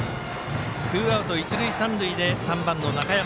ツーアウト、一塁三塁で３番の中山。